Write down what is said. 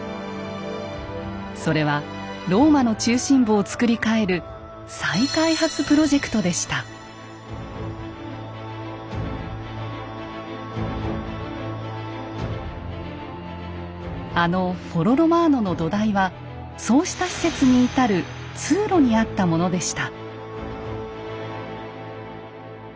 それはローマの中心部を造り替えるあのフォロ・ロマーノの土台はそうした施設に至る通路にあったものでした。